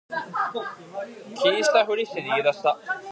気にしたふりして逃げ出した